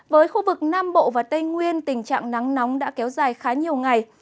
với khu vực nam bộ và tây nguyên tình trạng nắng nóng đã kéo dài khá nhiều ngày